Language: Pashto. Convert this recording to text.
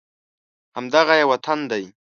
همدغه یې وطن دی